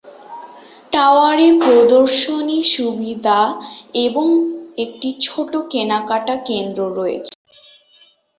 টাওয়ারে প্রদর্শনী সুবিধা এবং একটি ছোট কেনাকাটা কেন্দ্রে রয়েছে।